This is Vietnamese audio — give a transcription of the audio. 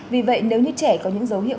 vì vậy nếu như trẻ có những dấu hiệu